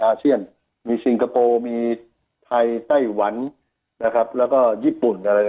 อาเซียนมีสิงคโปร์มีไทยไต้วันแล้วก็ญี่ปุ่น